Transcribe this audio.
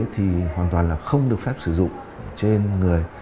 thì hoàn toàn là không được phép sử dụng trên người